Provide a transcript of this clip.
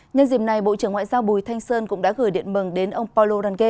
nhân dịp này bộ trưởng ngoại giao bùi thanh sơn cũng đã gửi điện mừng đến ông paulo rangel